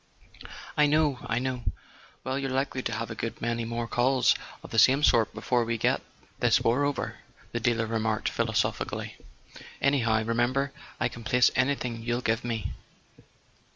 .." "I know, I know. Well, you're likely to have a good many more calls of the same sort before we get this [ 161 ] A SON AT THE FRONT war over," the dealer remarked philosophically. " Any¬ how, remember I can place anything you'll give me.